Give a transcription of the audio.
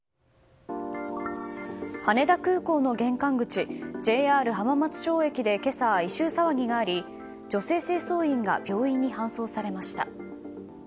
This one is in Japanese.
羽田空港の玄関口ＪＲ浜松町駅で今朝異臭騒ぎがあり、女性清掃員が病院に搬送されました。